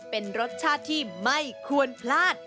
เป็นรสชาติที่ไม่ควรพลาด